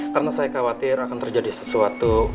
karena saya khawatir akan terjadi sesuatu